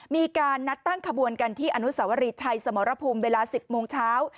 มีการนัดตั้งขบวนกันที่อนุสวรีชัยสมรภูมิเวลา๑๐โมงเช้า